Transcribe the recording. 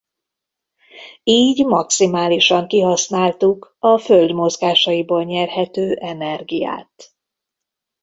Így maximálisan kihasználtuk a Föld mozgásaiból nyerhető energiát.